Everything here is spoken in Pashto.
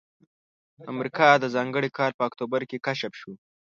امریکا د ځانګړي کال په اکتوبر کې کشف شوه.